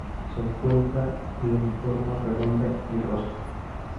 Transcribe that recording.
Se encuentra le en forma redonda y rosca.